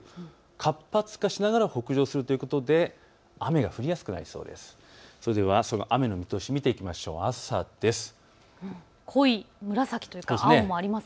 活発化しながら北上するということで雨が降りやすくなりそうです。